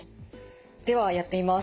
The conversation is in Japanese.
ではやってみます。